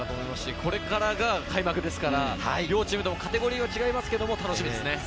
これからが開幕ですから、両チームともカテゴリーは違いますけれど楽しみです。